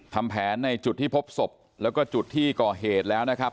ทำแผนในจุดที่พบศพแล้วก็จุดที่ก่อเหตุแล้วนะครับ